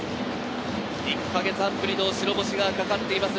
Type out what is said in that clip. １か月半ぶりの白星がかかっています